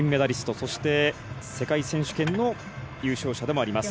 そして、世界選手権の優勝者でもあります。